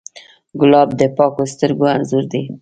ګلاب د پاکو سترګو انځور دی.